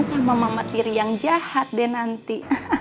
sama mama tiri yang jahat deh nanti